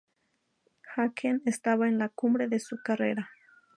Hakeem estaba en la cumbre de su carrera.